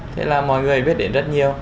thế là mọi người biết đến rất nhiều